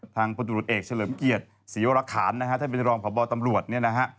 ทางพนตรวจเอกเฉลิมเกียรติศรีรักษ์ค้านท่านบริษัทรองขอบบตำรวจ